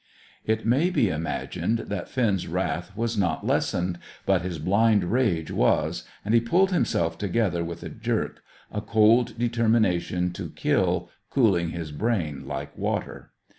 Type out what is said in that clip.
It may be imagined that Finn's wrath was not lessened, but his blind rage was, and he pulled himself together with a jerk, a cold determination to kill cooling his brain like water.